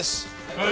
はい。